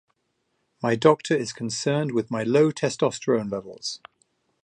My doctor is concerned with my low testosterone levels.